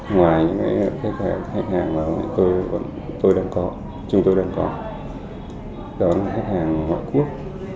ngoài những cái khách hàng mà bọn tôi vẫn tôi đang có chúng tôi đang có đó là khách hàng ngoại quốc